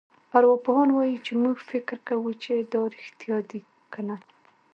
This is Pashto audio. ارواپوهان وايي چې موږ فکر کوو چې دا رېښتیا دي کنه.